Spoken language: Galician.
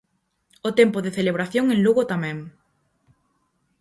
O tempo de celebración en Lugo tamén.